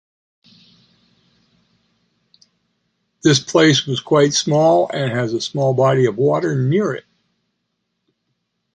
This place was quite small and has a small body of water near it.